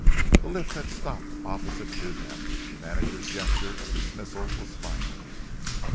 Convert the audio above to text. The lift had stopped opposite to them. The manager's gesture of dismissal was final.